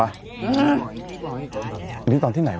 อันนี้ตอนที่ไหนว